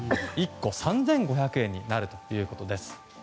１個３５００円になるということです。